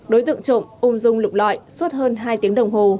đối tượng trộm ôm rung lụm lọi suốt hơn hai tiếng đồng hồ